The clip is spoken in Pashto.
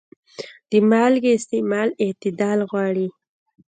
د مالګې استعمال اعتدال غواړي.